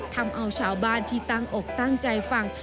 ทำเอาชาวบ้านที่ตั้งอกตั้งใจฟัง